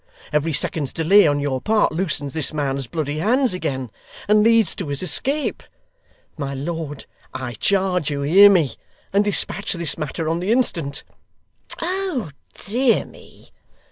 Every second's delay on your part loosens this man's bloody hands again, and leads to his escape. My lord, I charge you hear me, and despatch this matter on the instant.' 'Oh dear me!